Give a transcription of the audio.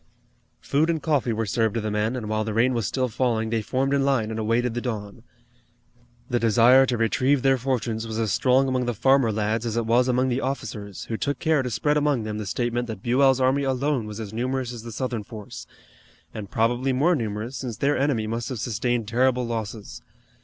Food and coffee were served to the men, and while the rain was still falling they formed in line and awaited the dawn. The desire to retrieve their fortunes was as strong among the farmer lads as it was among the officers who took care to spread among them the statement that Buell's army alone was as numerous as the Southern force, and probably more numerous since their enemy must have sustained terrible losses.